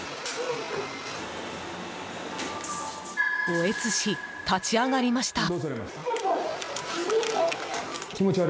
おえつし、立ち上がりました。